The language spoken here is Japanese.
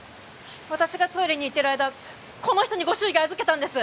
私がトイレに行ってる間この人にご祝儀預けたんです